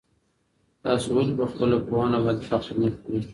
تاسو ولي په خپله پوهنه باندي فخر نه کوئ؟